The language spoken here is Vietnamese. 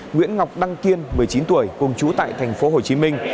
nguyễn ngọc đăng kiên một mươi chín tuổi cùng chú tại thành phố hồ chí minh